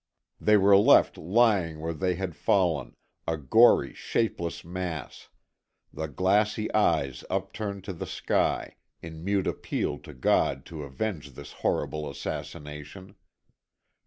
They were left lying where they had fallen, a gory, shapeless mass, the glassy eyes upturned to the sky, in mute appeal to God to avenge this horrible assassination.